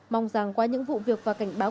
mong rằng qua những vụ việc và cảnh báo